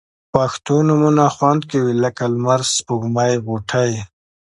پښتو نومونه خوند کوي لکه لمر، سپوږمۍ، غوټۍ